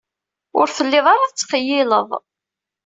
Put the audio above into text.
Ur telliḍ ara tettqeyyileḍ.